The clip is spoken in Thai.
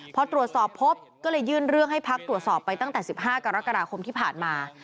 พอตรวจสอบพบก็เลยยื่นเรื่องให้พักตรวจสอบไปตั้งแต่๑๕กรกฎาคมที่ผ่านมา